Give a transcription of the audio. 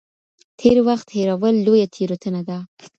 تېر وخت هېرول لويه تېروتنه ده.